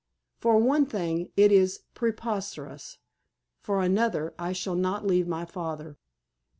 For one thing, it is preposterous. For another, I shall not leave my father."